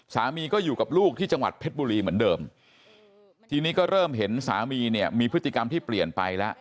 สามีก็อยู่กับลูกที่จังหวัดเพชรบุรีเหมือนเดิมทีนี้ก็เริ่มเห็นสามีเนี่ยมีพฤติกรรมที่เปลี่ยนไปแล้ว